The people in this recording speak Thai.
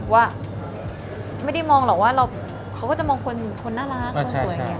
ว่าไม่ได้มองหรอกว่าเราก็จะมองคนน่ารักคนสวย